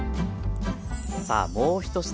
さあもう１品。